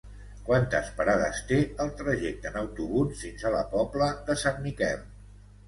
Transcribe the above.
Quantes parades té el trajecte en autobús fins a la Pobla de Sant Miquel?